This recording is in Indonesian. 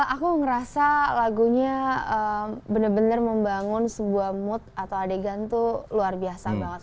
aku ngerasa lagunya bener bener membangun sebuah mood atau adegan tuh luar biasa banget